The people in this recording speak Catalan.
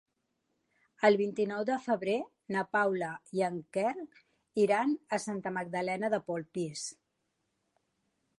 El vint-i-nou de febrer na Paula i en Quer iran a Santa Magdalena de Polpís.